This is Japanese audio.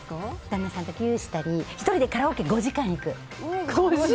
旦那さんとギューしたり１人でカラオケに５時間行く。